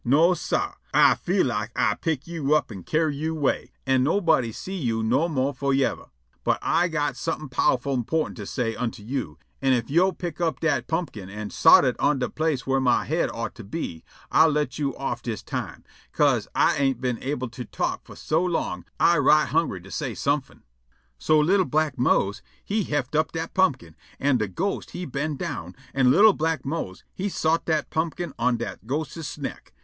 No, sah. Ah feel like Ah pick yo' up an' carry yo' away, an' nobody see you no more for yever. But Ah got somefin' powerful _im_portant to say unto yo', an' if yo' pick up dat pumpkin an' sot it on de place whar my head ought to be, Ah let you off dis time, 'ca'se Ah ain't been able to talk fo' so long Ah right hongry to say somefin'." So li'l' black Mose he heft up dat pumpkin, an' de ghost he bend' down, an' li'l' black Mose he sot dat pumpkin on dat ghostses neck.